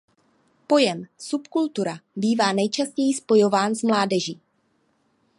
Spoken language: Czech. Pojem "subkultura" bývá nejčastěji spojován s mládeží.